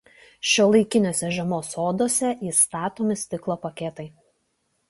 Šiuolaikiniuose žiemos soduose įstatomi stiklo paketai.